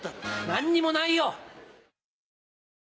何にもないよ！